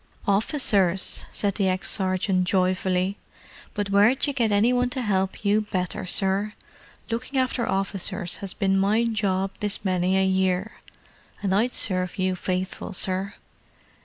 "Officers!" said the ex sergeant joyfully. "But where'd you get any one to 'elp you better, sir? Lookin' after officers 'as been my job this many a year. And I'd serve you faithful, sir."